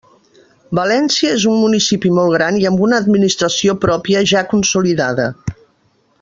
València és un municipi molt gran i amb una administració pròpia ja consolidada.